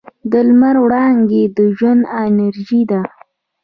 د لمر وړانګې د ژوند انرژي ده.